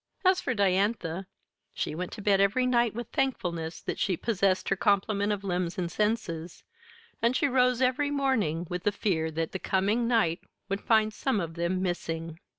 As for Diantha she went to bed every night with thankfulness that she possessed her complement of limbs and senses, and she rose every morning with a fear that the coming night would find some of them missing.